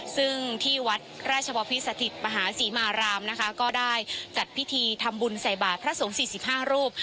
ซึ่งที่วัดราชบพิสถิตมหาศรีมารามนะคะก็ได้จัดพิธีทำบุญใส่บาทพระสงฆ์๔๕รูป